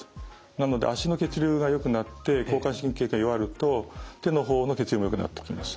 なので足の血流がよくなって交感神経が弱ると手の方の血流もよくなってきます。